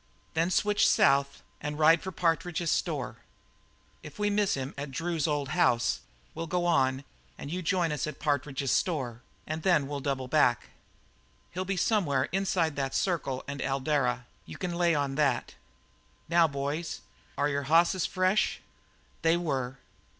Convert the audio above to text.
Then switch south and ride for Partridge's store; if we miss him at Drew's old house we'll go on and join you at Partridge's store and then double back. He'll be somewhere inside that circle and Eldara, you can lay to that. Now, boys, are your hosses fresh?" They were.